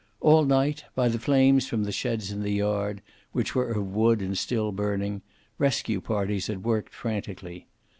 All night, by the flames from the sheds in the yard, which were of wood and still burning, rescue parties had worked frantically.